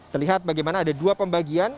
terlihat bagaimana ada dua pembagian